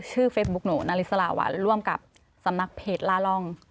เฟซบุ๊กหนูนาริสลาวันร่วมกับสำนักเพจล่าร่อง